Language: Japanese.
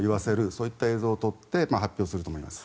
そういった映像を撮って発表すると思います。